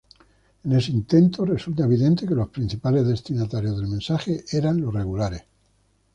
En ese intento, resulta evidente que los principales destinatarios del mensaje eran los regulares.